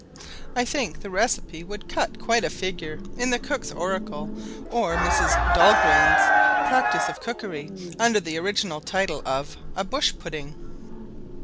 I think the recipe would cut quite a figure in the Cook's Oracle or Mrs. Dalgairn's Practice of Cookery, under the original title of a "bush pudding."